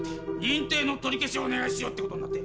認定の取り消しをお願いしようってことんなって。